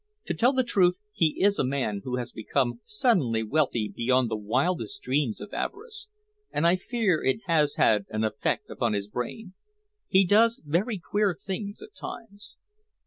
To tell the truth, he is a man who has become suddenly wealthy beyond the wildest dreams of avarice, and I fear it has had an effect upon his brain. He does very queer things at times."